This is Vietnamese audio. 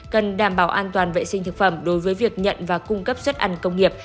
cần đảm bảo an toàn vệ sinh thực phẩm đối với việc nhận và cung cấp suất ăn công nghiệp